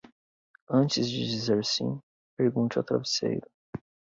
Antes de dizer sim, pergunte ao travesseiro.